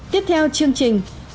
tiếp theo chương trình